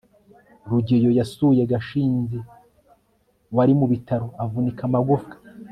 rugeyo yasuye gashinzi, wari mu bitaro avunika amagufwa